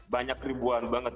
banyak ribuan banget